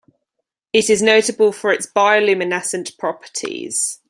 It is notable for its bioluminescent properties.